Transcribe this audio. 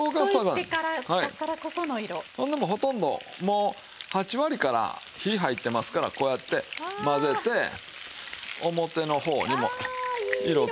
でもほとんどもう８割から火入ってますからこうやってまぜて表の方にも色をつけますわ。